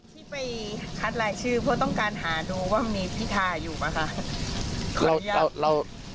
ที่ไปคัดลายชื่อเพราะต้องการหาดูว่ามีพิทาอยู่ป่ะคะ